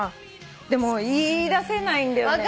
でも言い出せないんだよね。